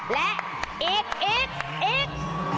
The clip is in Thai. และอีกอีกอีก